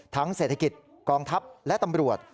เศรษฐกิจกองทัพและตำรวจ